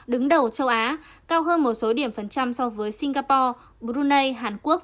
đứng đầu châu á cao hơn một số điểm phần trăm so với singapore brunei hàn quốc